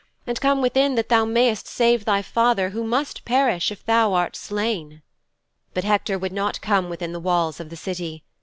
And come within that thou mayst save thy father who must perish if thou art slain."' 'But Hector would not come within the walls of the City.